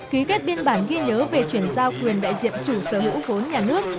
ký kết biên bản ghi nhớ về chuyển giao quyền đại diện chủ sở hữu vốn nhà nước